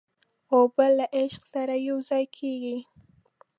اوبه له عشق سره یوځای کېږي.